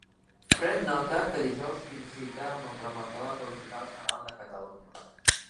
Pren nota que dijous tinc cita amb el traumatòleg a l'Hospital General de Catalunya.